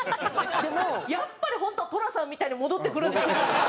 でもやっぱり本当寅さんみたいに戻ってくるんですよすぐ。